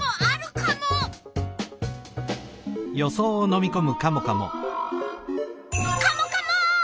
カモカモ！